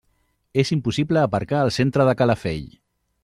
És impossible aparcar al centre de Calafell.